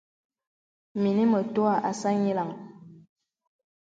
Mìnī mətuə̀ àsā nyìləŋ.